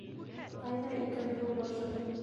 Ҡайҙа икән һыу башы